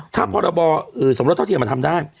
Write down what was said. ถ้าพรบสมรสเท่าเทียมมันทำได้